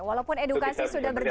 walaupun edukasi sudah berjalan